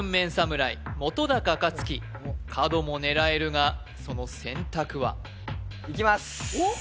本克樹角も狙えるがその選択はいきますおっ？